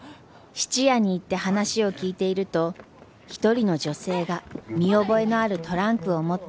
質屋に行って話を聞いていると一人の女性が見覚えのあるトランクを持って駆け込んできました。